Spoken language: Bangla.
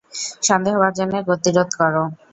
সন্দেহভাজনের গতিরোধ কর।